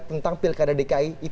tentang pilkada dki